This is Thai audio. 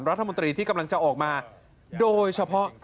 รัฐมนตรีที่กำลังจะออกมาโดยเฉพาะ